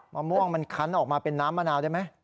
มะม่วงมันคันออกมาเป็นน้ำมะนาวได้ไหม